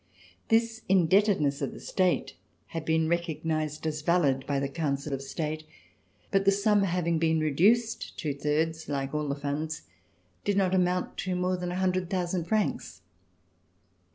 This in debtedness of the State had been recognized as valid by the Council of State, but the sum having been reduced two thirds, like all the Funds, did not amount to more than 100,000 francs.